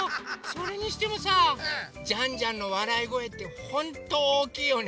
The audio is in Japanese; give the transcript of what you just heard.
それにしてもさジャンジャンのわらいごえってホントおおきいよね。